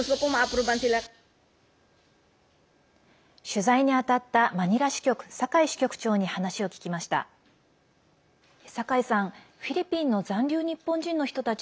取材に当たったマニラ支局、酒井支局長に話を聞きました。